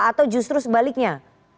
atau justru sebaliknya